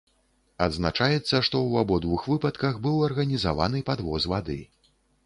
Адзначаецца, што ў абодвух выпадках быў арганізаваны падвоз вады.